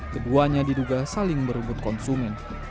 keduanya diduga saling berebut konsumen